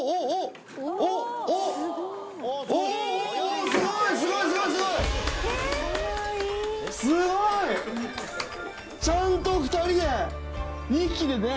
すごいあすごいすごい早いおすごいすごいちゃんと２人で２匹でね